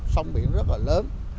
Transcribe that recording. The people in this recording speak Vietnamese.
sông biển rất là lớn